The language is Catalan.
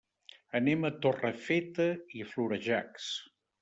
Anem a Torrefeta i Florejacs.